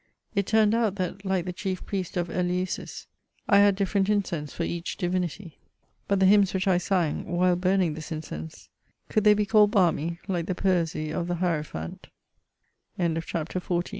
It turned out that, like the chief priest of Eleusis, I had different incense for each divinity. fiut the hymns which I sang, while burning this incense, could they be called balmy, like the poesy of the